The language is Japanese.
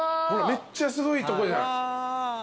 めっちゃすごいとこじゃん。